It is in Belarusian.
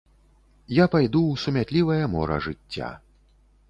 Я пайду ў сумятлівае мора жыцця.